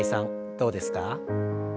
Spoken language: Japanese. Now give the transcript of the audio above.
どうですか？